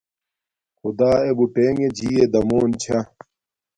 خدݳ ݳݺ بُٹݵݣݺ جِِیّݺ دمݸن چھݳ.